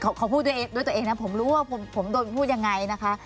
เขาพูดด้วยตัวเองนะผมรู้ว่าผมโดนพูดยังไงนะคะ